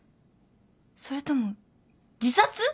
それとも自殺？